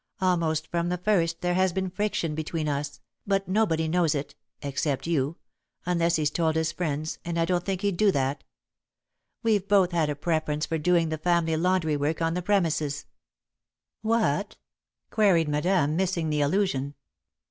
Almost from the first, there has been friction between us, but nobody knows it, except you unless he's told his friends, and I don't think he'd do that. We've both had a preference for doing the family laundry work on the premises." [Sidenote: Marital Troubles] "What?" queried Madame, missing the allusion.